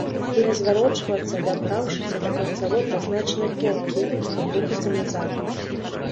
І разварочвацца, дабраўшыся да канцавой пазначанай кропкі, каб рухацца назад.